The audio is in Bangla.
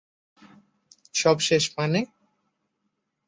সব শেষ মানে?